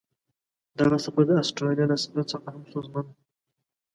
دغه سفر د استرالیا له سفر څخه هم ستونزمن و.